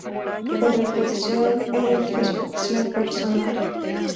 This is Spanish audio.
De reflexión e introspección personal.